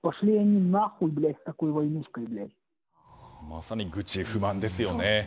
まさに愚痴、不満ですよね。